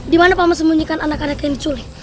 di mana paman sembunyikan anak anak yang diculik